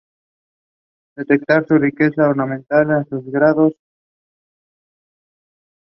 Destaca por su riqueza ornamental y sus grandes proporciones.